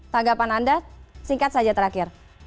tanggapan anda singkat saja terakhir